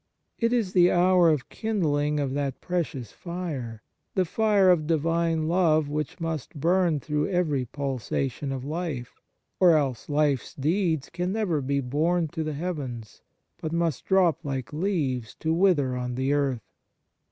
It is the hour of kindling of that precious fire the fire of Divine love which must burn through every pulsation of life, or else life s deeds can never be borne to the heavens, but must drop like leaves to wither on the earth.